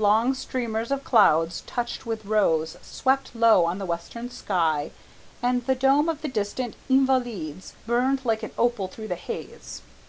Long streamers of clouds touched with rose swept low on the western sky, and the dome of the distant Invalides burned like an opal through the haze.